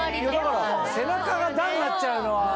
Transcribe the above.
背中が段になっちゃうのは。